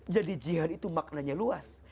jadi jihad itu maknanya luas